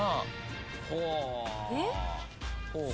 ほう！